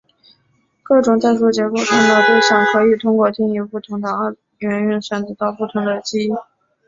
各种代数结构中的对象可以通过定义不同的二元运算得到不同的积。